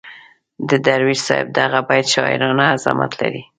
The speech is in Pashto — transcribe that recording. د درویش صاحب دغه بیت شاعرانه عظمت لري.